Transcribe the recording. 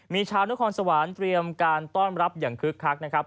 มีชาวนครสวรรค์เตรียมการต้อนรับอย่างคึกคักนะครับ